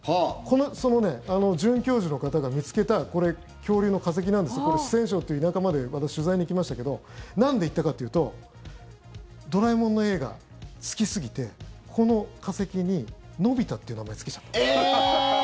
その准教授の方が見つけたこれ、恐竜の化石なんですけどこれ、四川省という田舎まで私、取材に行きましたけどなんで行ったかというと「ドラえもん」の映画好きすぎてこの化石にのび太って名前をつけちゃった。